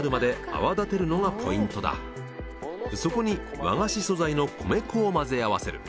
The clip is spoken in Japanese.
そこに和菓子素材の米粉を混ぜ合わせる。